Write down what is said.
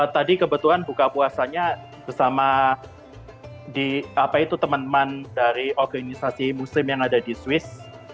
tadi kebetulan buka puasanya bersama teman teman dari organisasi muslim yang ada di swiss